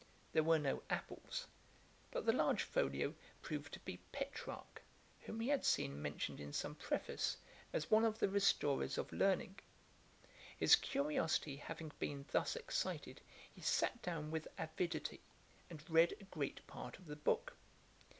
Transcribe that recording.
There were no apples; but the large folio proved to be Petrarch, whom he had seen mentioned in some preface, as one of the restorers of learning. His curiosity having been thus excited, he sat down with avidity, and read a great part of the book.